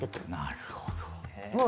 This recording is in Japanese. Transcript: なるほどね。